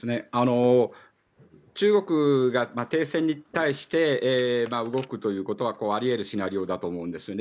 中国が停戦に対して動くということはあり得るシナリオだと思うんです。